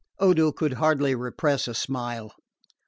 Odo could hardly repress a smile.